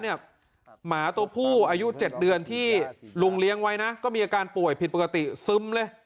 หมาตัวผู้อายุ๗เดือนที่ลุงเลี้ยงไว้นะก็มีอาการป่วยผิดปกติซึมเลย